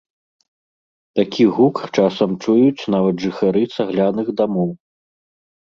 Такі гук часам чуюць нават жыхары цагляных дамоў.